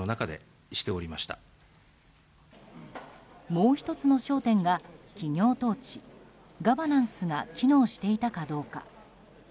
もう１つの焦点が企業統治、ガバナンスが機能していたかどうか。